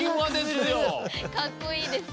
かっこいいです。